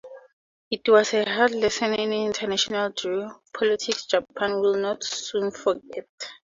It was a hard lesson in international geopolitics Japan would not soon forget.